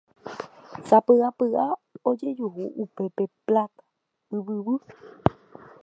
Sapy'apy'a ojejuhu upépe Pláta Yvyguy.